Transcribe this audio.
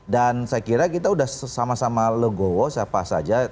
dan saya kira kita sudah sama sama legowo siapa saja